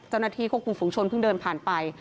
เจ้าหน้าที่ควบคุมฝุงชนเพิ่งเดินผ่านไป